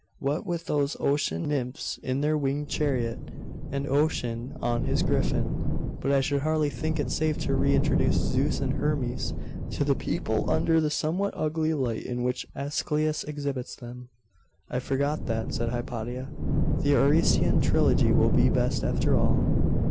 What with those ocean nymphs in their winged chariot, and Ocean on his griffin.... But I should hardly think it safe to reintroduce Zeus and Hermes to the people under the somewhat ugly light in which Aeschylus exhibits them.' 'I forgot that,' said Hypatia. 'The Orestean trilogy will be best, after all.